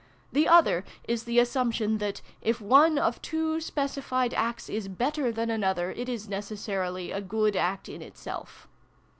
The other is the assumption that, if one of two specified acts is better than another, it is necessarily a good act in itself.